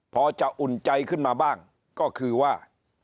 พอจะอุ่นใจขึ้นมาบ้างก็คือว่า